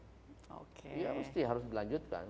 ya pasti harus dilanjutkan